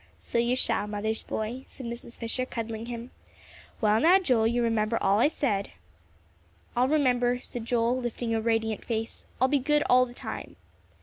"So you shall, Mother's boy," said Mrs. Fisher, cuddling him. "Well now, Joel, you remember all I said." "I'll remember," said Joel, lifting a radiant face; "I'll be good all the time."